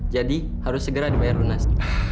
jadi harus segera dibayar lunas